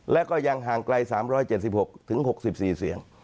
และก็ยังห่างไกล๓๗๖๖๔เสียง